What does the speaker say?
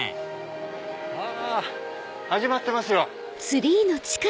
あ始まってますよ。